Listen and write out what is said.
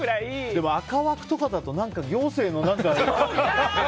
でも、赤枠とかだと行政の何か。